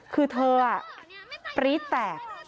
คือเธอปริตแตก